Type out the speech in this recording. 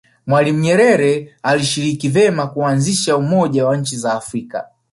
mwalimu nyerere alishiriki vema kuanzisha umoja wa nchi za afrika